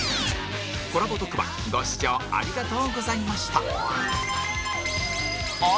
コラボ特番ご視聴ありがとうございました